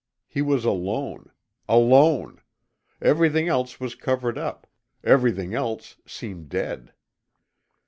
He was alone. ALONE! Everything else was covered up; everything else seemed dead.